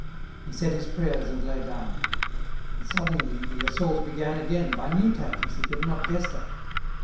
He said his prayers and lay down. And, suddenly, the assault began again by new tactics he had not guessed at.